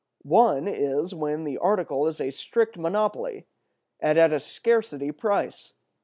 One is, when the article is a strict monopoly, and at a scarcity price.